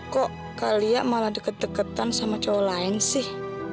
kok kalian malah deket deketan sama cowok lain sih